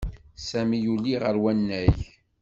Sami yuli ɣer wannag.